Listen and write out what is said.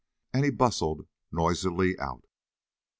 And he bustled noisily out.